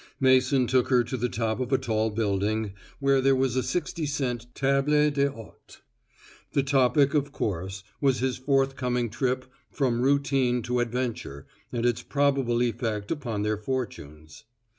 Mason took her to the top of a tall building, where there was a sixty cent table d'hote. The topic, of course, was his forthcoming trip from routine to adventure and its probable effect upon their fortunes.